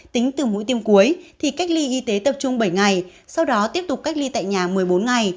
tính từ mũi tiêm cuối thì cách ly y tế tập trung bảy ngày sau đó tiếp tục cách ly tại nhà một mươi bốn ngày